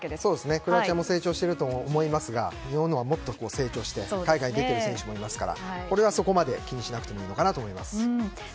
クロアチアも成長していると思いますが日本のほうがもっと成長して海外に出ている選手もいますからこれはそこまで気にしなくていいと思います。